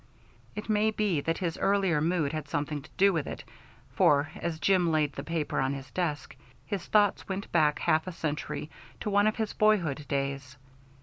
It may be that his earlier mood had something to do with it; for as Jim laid the paper on his desk, his thoughts went back half a century to one of his boyhood days.